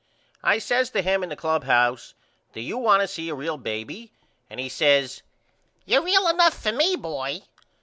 I says to him in the clubhouse Do you want to see a real baby? And he says You're real enough for me Boy.